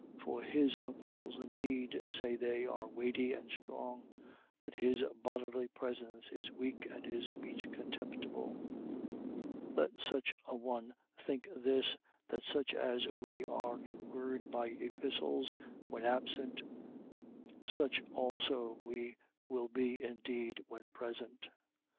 (For his epistles indeed, say they, are weighty and strong; but his bodily presence is weak and his speech contemptible): 10:11. Let such a one think this, that such as we are in word by epistles when absent, such also we will be indeed when present.